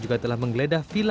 kepala kepala kepala